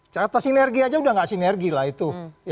cata sinergi aja udah nggak sinergi lah itu